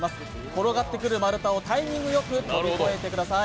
転がってくる丸太をタイミングよく乗り越えてください。